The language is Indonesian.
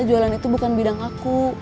jualan itu bukan bidang aku